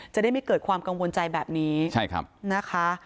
จะได้ไม่เกิดความกังวลใจแบบนี้ใช่ครับนะคะ